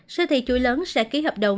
siêu thị chuối lớn sẽ ký hợp đồng